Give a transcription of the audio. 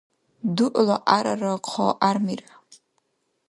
ДугӀла гӀярара хъа гӀярмира